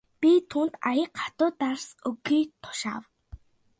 Би түүнд аяга хатуу дарс өгөхийг тушаав.